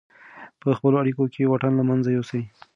په خپلو اړیکو کې واټن له منځه یوسئ.